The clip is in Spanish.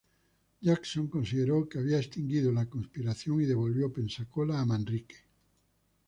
Jackson consideró que había extinguido la conspiración y devolvió Pensacola a Manrique.